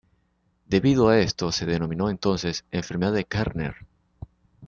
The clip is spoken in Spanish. Debido a esto, se denominó entonces "enfermedad de Kerner".